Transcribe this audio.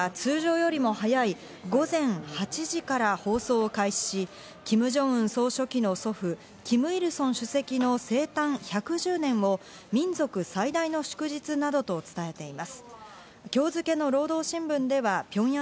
朝鮮中央テレビは通常よりも早い午前８時から放送を開始し、キム・ジョンウン総書記の祖父・キム・イルソン主席の生誕１１０年を民族最大の祝日などと伝えています。